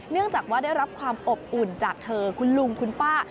เนื่องจากว่าได้รับความอบอุ่นจากเธอคุณลุงคุณป้า